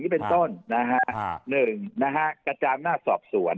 อันนี้เป็นต้นนะฮะ๑กระจางหน้าสอบสวน